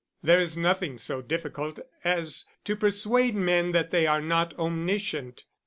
There is nothing so difficult as to persuade men that they are not omniscient.